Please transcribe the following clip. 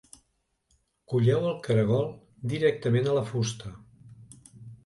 Colleu el caragol directament a la fusta.